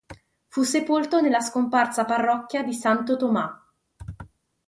Fu sepolto nella scomparsa parrocchia di Santo Tomás.